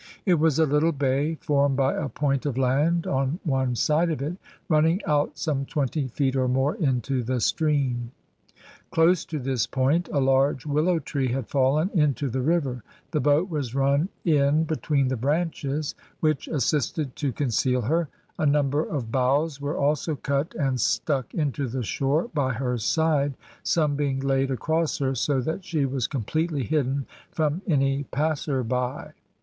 It was a little bay, formed by a point of land on one side of it, running out some twenty feet or more into the stream. Close to this point a large willow tree had fallen into the river; the boat was run in between the branches, which assisted to conceal her; a number of boughs were also cut and stuck into the shore by her side, some being laid across her, so that she was completely hidden from any passer by.